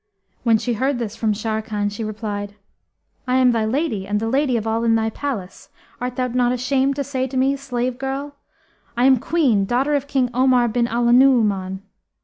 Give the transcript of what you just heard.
When she heard this from Sharrkan she replied, "I am thy lady, and the lady of all in thy palace! Art thou not ashamed to say to me Slave girl? I am a Queen, daughter of King Omar bin al Nu'uman."